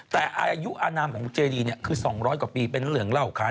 แต่อายุอานามของเจดีคือ๒๐๐กว่าปีเป็นเหลืองเหล้าขา